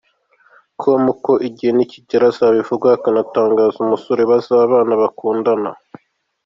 com ko igihe nikigera azabivugaho akanatangaza umusore bazaba bakundana.